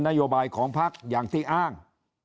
นโยบายของพักอย่างที่อ้าง